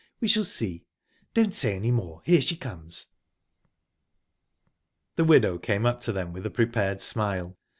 We shall see. Don't say any more here she comes." The widow came up to them with a prepared smile.